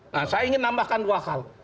nah saya ingin menambahkan dua hal